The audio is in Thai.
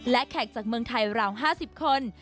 และแขกจากเมืองไทยราว๕๐คน